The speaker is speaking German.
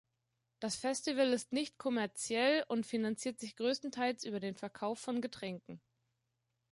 Das Festival ist nicht kommerziell, und finanziert sich größtenteils über den Verkauf von Getränken.